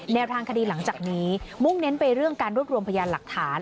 ทางคดีหลังจากนี้มุ่งเน้นไปเรื่องการรวบรวมพยานหลักฐาน